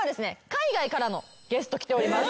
海外からのゲスト来ております。